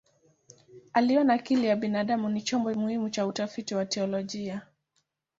Aliona akili ya binadamu ni chombo muhimu cha utafiti wa teolojia.